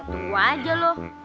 tuh aja loh